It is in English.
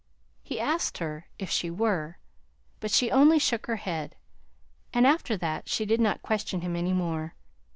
He asked her if she were; but she only shook her head. And after that she did not question him any more.